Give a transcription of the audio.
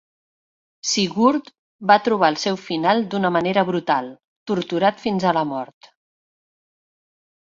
Sigurd va trobar el seu final d'una manera brutal, torturat fins a la mort.